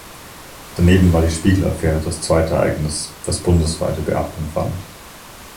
Daneben war die Spiegel-Affäre das zweite Ereignis, das bundesweite Beachtung fand.